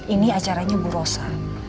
ini acaranya bu rosa